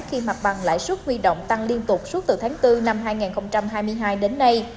khi mặt bằng lãi suất huy động tăng liên tục suốt từ tháng bốn năm hai nghìn hai mươi hai đến nay